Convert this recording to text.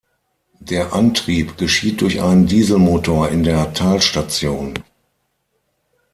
Der Antrieb geschieht durch einen Dieselmotor in der Talstation.